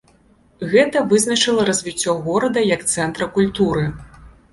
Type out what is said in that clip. Гэта вызначыла развіццё горада як цэнтра культуры.